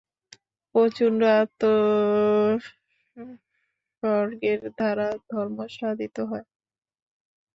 প্রচণ্ড আত্মোৎসর্গের দ্বারা ধর্ম সাধিত হয়।